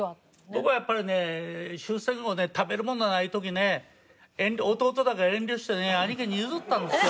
僕はやっぱりね終戦後ね食べる物がない時ね弟だから遠慮してね兄貴に譲ったんですよ。